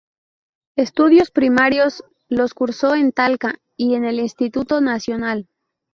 Estudios primarios los curso en Talca y en el Instituto Nacional.